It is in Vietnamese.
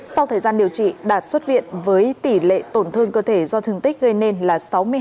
sau thời gian điều trị đạt xuất viện với tỷ lệ tổn thương cơ thể do thương tích gây nên là sáu mươi hai